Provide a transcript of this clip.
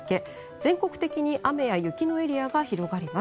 全国的に雨や雪のエリアが広がります。